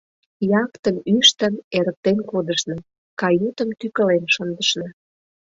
Яхтым ӱштын, эрыктен кодышна, каютым тӱкылен шындышна.